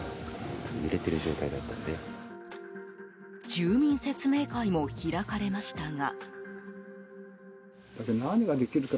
住民説明会も開かれましたが。